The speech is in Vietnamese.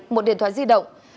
một điện thoại di động